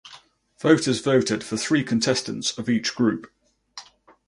Voters voted for three contestants of each group.